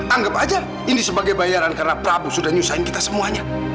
anggap aja ini sebagai bayaran karena prabu sudah nyusahin kita semuanya